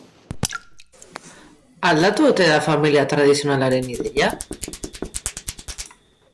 Aldatu ote da familia tradizionalaren ideia?